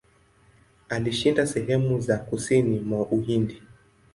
Alishinda sehemu za kusini mwa Uhindi.